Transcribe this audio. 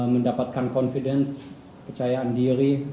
mendapatkan confidence kecayaan diri